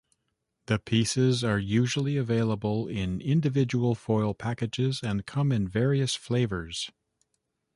The pieces are usually available in individual foil packages and come in various flavors.